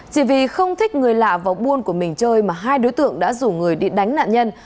chỉ vì không thích người lạ vào buôn của mình chơi mà hai đối tượng đã rủ người đi đánh nạn nhân